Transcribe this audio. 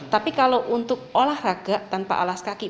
tapi kalau untuk olahraga tanpa alas kaki